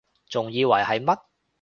仲以為係乜????